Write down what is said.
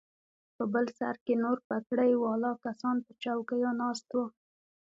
په بل سر کښې نور پګړۍ والا کسان پر چوکيو ناست وو.